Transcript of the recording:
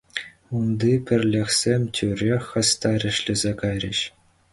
Унти пӗрлӗхсем тӳрех хастар ӗҫлесе кайрӗҫ.